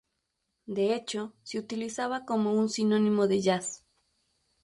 De hecho, se utilizaba como un sinónimo de jazz.